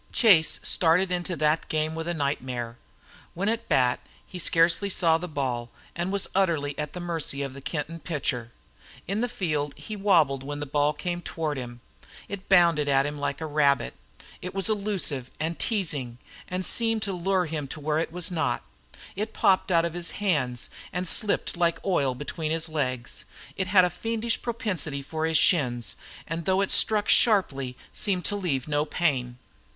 Chase started into that game with a nightmare. When at the bat he scarcely saw the ball, and was utterly at the mercy of the Kenton pitcher. In the field he wobbled when the ball came toward him; it bounded at him like a rabbit; it was illusive and teasing, and seemed to lure him to where it was not; it popped out of his hands, and slipped like oil between his legs; it had a fiendish propensity for his shins, and though it struck sharply seemed to leave no pain.